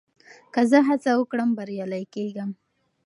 که زه هڅه وکړم، بريالی کېږم.